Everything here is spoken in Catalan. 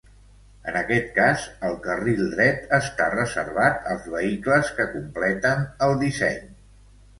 En aquest cas, el carril dret està reservat als vehicles que completen el disseny.